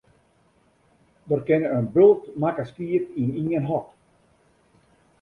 Der kinne in bult makke skiep yn ien hok.